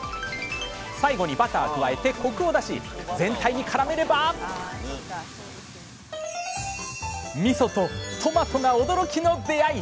最後にバター加えてコクを出し全体にからめればみそとトマトが驚きの出会い⁉